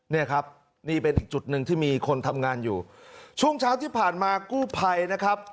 เนี่ยครับนี่เป็นอีกจุดหนึ่งที่มีคนทำงานอยู่ช่วงเช้าที่ผ่านมากู้ภัยนะครับ